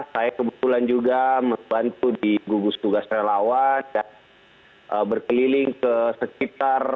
saya kebetulan juga membantu di gugus tugas relawan dan berkeliling ke sekitar